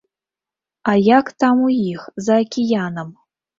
А як там у іх, за акіянам?